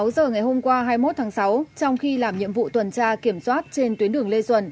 sáu giờ ngày hôm qua hai mươi một tháng sáu trong khi làm nhiệm vụ tuần tra kiểm soát trên tuyến đường lê duẩn